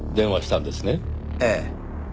ええ。